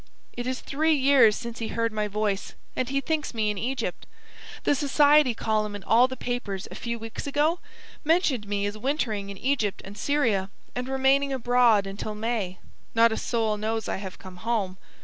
It is three years since he heard my voice, and he thinks me in Egypt. The society column in all the papers, a few weeks ago, mentioned me as wintering in Egypt and Syria and remaining abroad until May. Not a soul knows I have come home.